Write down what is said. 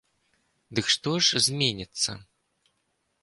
Дык што ж зменіцца?